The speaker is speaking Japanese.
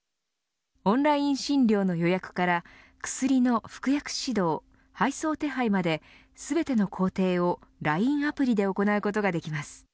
オンライン診療の予約から薬の服薬指導、配送手配まで全ての工程をＬＩＮＥアプリで行うことができます。